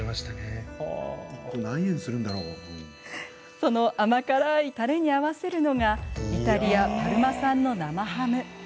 その甘辛いたれに合わせるのがイタリア・パルマ産の生ハム。